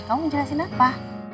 kamu mau jelasin apa